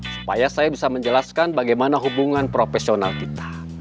supaya saya bisa menjelaskan bagaimana hubungan profesional kita